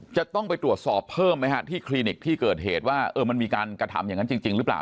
จะต้องไปตรวจสอบเพิ่มไหมฮะที่คลินิกที่เกิดเหตุว่ามันมีการกระทำอย่างนั้นจริงหรือเปล่า